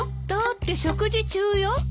だって食事中よ？